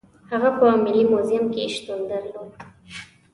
هغه په ملي موزیم کې شتون درلود.